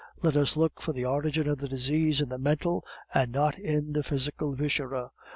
Let us look for the origin of the disease in the mental and not in the physical viscera.